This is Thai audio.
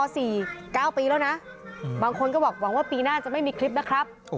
แล้วนะบางคนก็บอกหวังว่าปีหน้าจะไม่มีคลิปนะครับ